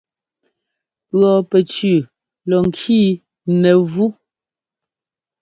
Pʉ̈ pɛcʉʉ lɔ ŋkii nɛ́vú.